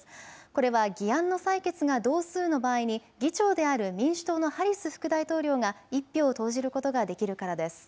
これは議案の採決が同数の場合に議長である民主党のハリス副大統領が１票を投じることができるからです。